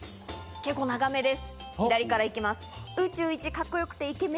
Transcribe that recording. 結構、長めです。